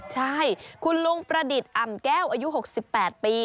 ใช่คุณลุงประดิษฐ์อ่ำแก้วอายุ๖๘ปี